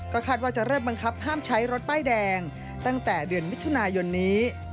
คาดว่าจะเริ่มบังคับห้ามใช้รถป้ายแดงตั้งแต่เดือนมิถุนายนนี้